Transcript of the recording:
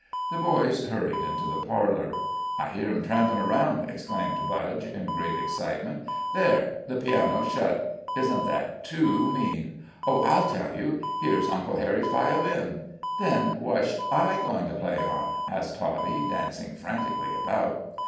The boys hurried into the parlor. "I hear 'em trampin' around!" exclaimed Budge, in great excitement. "There! the piano's shut! Isn't that too mean! Oh, I'll tell you here's Uncle Harry's violin." "Then whatsh I goin' to play on?" asked Toddie, dancing frantically about.